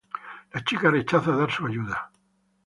La chica rechaza dar su ayuda.